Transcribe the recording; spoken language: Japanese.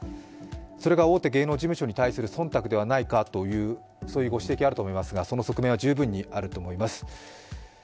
それが大手芸能事務所に対する忖度ではないかというご指摘があるかと思いますがその側面は十分にあると思います。